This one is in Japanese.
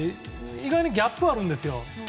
意外にギャップあるんですよ。